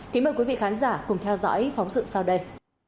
kính mời quý vị khán giả cùng theo dõi phóng sự sau đây